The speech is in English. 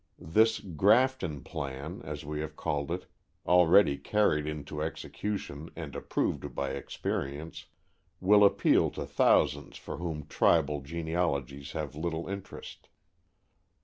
This "Grafton Plan," as we have called it, already carried into execution, and approved by experience, will appeal to thousands for whom "tribal" genealogies have little interest.